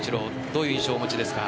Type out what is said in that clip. どういう印象をお持ちですか？